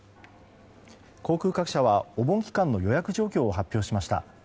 航空各社はお盆期間の予約状況を発表しました。